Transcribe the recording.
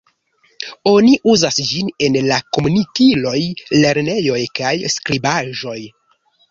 Oni uzas ĝin en la komunikiloj, lernejoj kaj skribaĵoj.